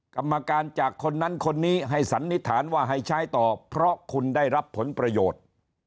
กรรมการจากคนนั้นคนนี้ให้สันนิษฐานว่าให้ใช้ต่อเพราะคุณได้รับผลประโยชน์